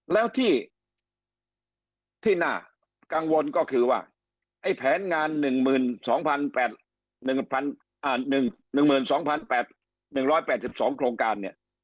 แล้วที่น่ากังวลก็คือว่าไอ้แผนงาน๑๒๑๘๒โครงการเนี่ย